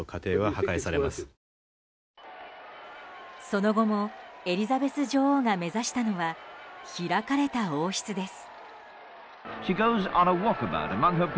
その後もエリザベス女王が目指したのは開かれた王室です。